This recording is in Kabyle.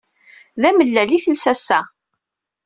D amellal ay telsa ass-a.